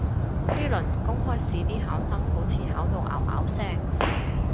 呢輪公開試啲考生好似考到拗拗聲